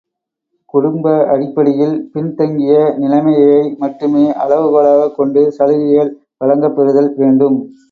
குடும்ப அடிப்படையில் பின் தங்கிய நிலைமையை மட்டுமே அளவு கோலாகக் கொண்டு சலுகைகள் வழங்கப்பெறுதல் வேண்டும்.